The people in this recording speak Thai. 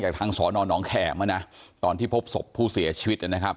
กับทางศนแขมานะตอนที่พบศพผู้เสียชีวิตนะครับ